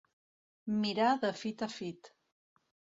Mirar de fit a fit.